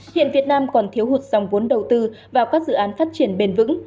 hiện việt nam còn thiếu hụt dòng vốn đầu tư vào các dự án phát triển bền vững